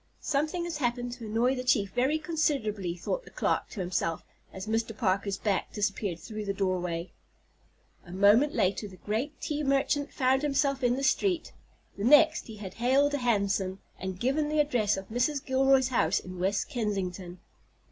"Something has happened to annoy the chief very considerably," thought the clerk to himself as Mr. Parker's back disappeared through the doorway. A moment later the great tea merchant found himself in the street, the next he had hailed a hansom, and given the address of Mrs. Gilroy's house in West Kensington.